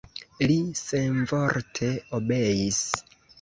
Li senvorte obeis.